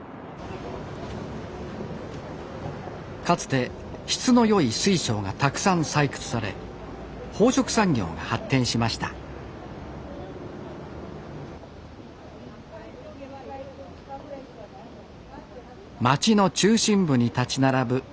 かつて質の良い水晶がたくさん採掘され宝飾産業が発展しました街の中心部に立ち並ぶ